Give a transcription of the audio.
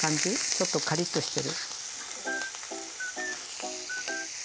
ちょっとカリッとしてる。